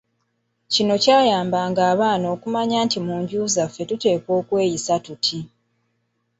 Kino kyayambanga abaana okumanya nti mu nju yaffe tuteekwa kweyisa tuti.